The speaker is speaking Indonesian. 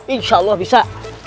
insya allah bisa